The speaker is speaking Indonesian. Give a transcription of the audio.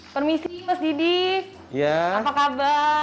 permisi mas didi apa kabar